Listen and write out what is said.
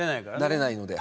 なれないので。